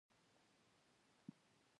له استاد سره جفا ده